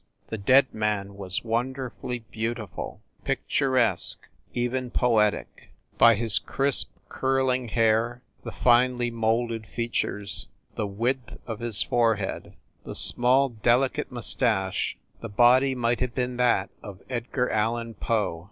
The dead man was wonderfully beautiful, picturesque, even poetic. By his crisp, curling hair, the finely molded fea tures, the width of his forehead, the small delicate 208 FIND THE WOMAN mustache, the body might have been that of Edgar Allan Poe.